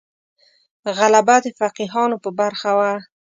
غلبه د فقیهانو په برخه وه.